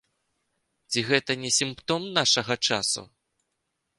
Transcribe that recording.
Ці гэта не сімптом нашага часу?